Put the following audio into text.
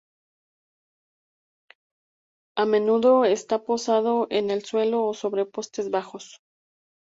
A menudo está posado en el suelo o sobre postes bajos.